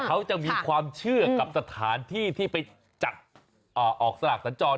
เขาจะมีความเชื่อกับสถานที่ที่ไปจัดออกสลากสัญจร